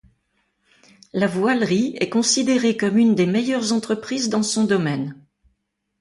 La voilerie est considérée comme une des meilleures entreprises dans son domaine.